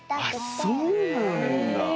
あそうなんだ。